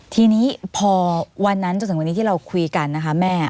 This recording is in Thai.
ทีนี้พอวันนั้นจนถึงวันนี้ที่เราคุยกันนะคะแม่